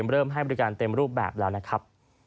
เริ่มให้บริการเต็มรูปแบบแล้วนะครับ